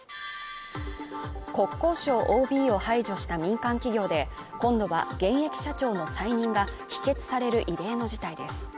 国交省ＯＢを排除した民間企業で今度は現役社長の再任が否決される異例の事態です。